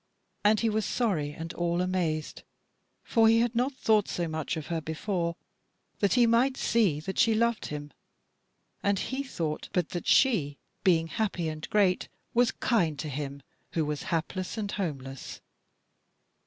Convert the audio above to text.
And he was sorry and all amazed: for he had not thought so much of her before, that he might see that she loved him; and he thought but that she, being happy and great, was kind to him who was hapless and homeless.